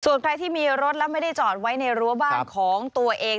ส่วนใครที่มีรถและไม่ได้จอดไว้ในรั้วบ้านของตัวเอง